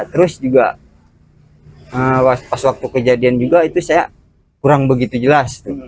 terus juga pas waktu kejadian juga itu saya kurang begitu jelas